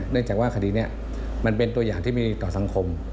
จากว่าคดีนี้มันเป็นตัวอย่างที่มีต่อสังคม